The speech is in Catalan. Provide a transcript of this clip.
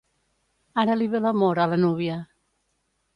Ara li ve l'amor, a la núvia!